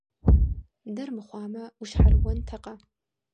Дэр мыхъуамэ, ущхьэрыуэнтэкъэ?